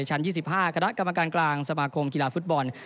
ชั้น๒๕คณะกรรมการกลางสมาคมกีฬาฟุตบอล